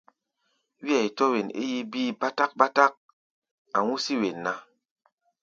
Wíʼɛi tɔ̧́ wen é yí bíí báták-báták, a̧ hú̧sí̧ wen ná.